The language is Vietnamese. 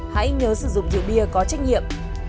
hãy nhớ sử dụng rượu bia có trách nhiệm